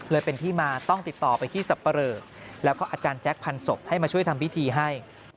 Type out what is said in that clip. เลยเป็นที่มาต้องติดต่อไปที่สับปะเรอแล้วก็อาจารย์แจ๊คพันศพให้มาช่วยทำพิธีให้